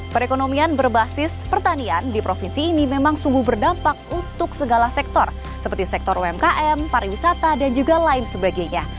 perekonomian berbasis pertanian di provinsi ini memang sungguh berdampak untuk segala sektor seperti sektor umkm pariwisata dan juga lain sebagainya